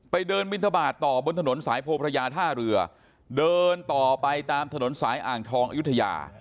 เดินบินทบาทต่อบนถนนสายโพพระยาท่าเรือเดินต่อไปตามถนนสายอ่างทองอายุทยา